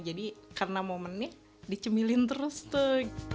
jadi karena momennya dicemilin terus tuh